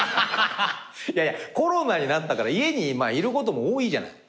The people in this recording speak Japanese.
いやいやコロナになったから家にいることも多いじゃない。